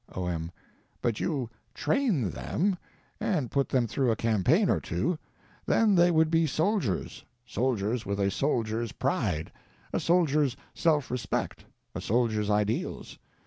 O.M. But you train them, and put them through a campaign or two; then they would be soldiers; soldiers, with a soldier's pride, a soldier's self respect, a soldier's ideals.